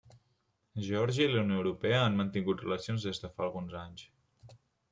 Geòrgia i la Unió Europea han mantingut relacions des de fa alguns anys.